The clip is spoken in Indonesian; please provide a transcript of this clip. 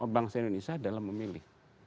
bangsa indonesia dalam memilih